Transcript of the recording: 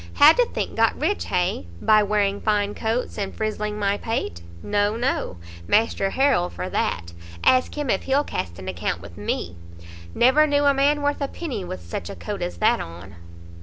How do think got rich, hay? by wearing fine coats, and frizzling my pate? No, no; Master Harrel for that! ask him if he'll cast an account with me! never knew a man worth a penny with such a coat as that on."